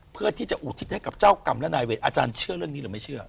เพื่อที่จะอุทิศให้กับเจ้ากรรมและนายเวรอาจารย์เชื่อเรื่องนี้หรือไม่เชื่อ